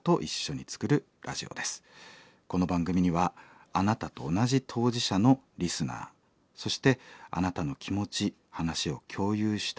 この番組にはあなたと同じ当事者のリスナーそしてあなたの気持ち話を共有したいスタッフがいます。